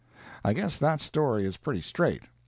I guess that story is pretty straight.